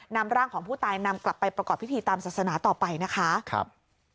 นำร่างของผู้ตายนำกลับไปประกอบพิธีตามศาสนาต่อไปนะคะครับ